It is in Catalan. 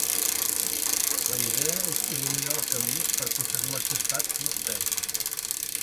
La idea és il·luminar el camí perquè ses majestats no es perdin.